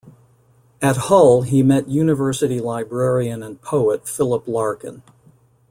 At Hull he met university librarian and poet Philip Larkin.